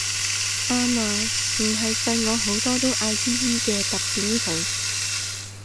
啱啊唔係細我好多都嗌姨姨嘅揼扁佢